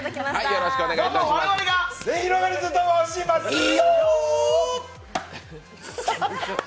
どうも我々がすゑひろがりずと申しますよー！